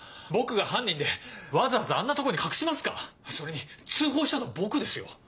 僕が犯人でわざわざあんなとこに隠しますか⁉それに通報したの僕ですよ？